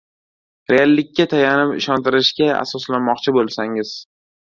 Reallikka tayanib, ishontirishga asoslanmoqchi bo‘lsangiz